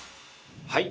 『はい！